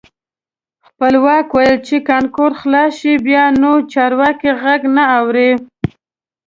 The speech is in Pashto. خپلواک ویل چې کانکور خلاص شي بیا نو چارواکي غږ نه اوري.